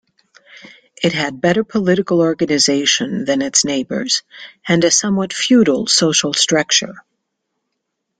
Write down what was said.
It had better political organization than its neighbors and a somewhat 'feudal' social structure.